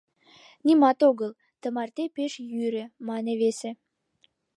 Нимат огыл, тымарте пеш йӱрӧ, мане весе.